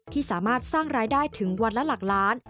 ที่สามารถสร้างรายได้ถึงวันละหลักล้าน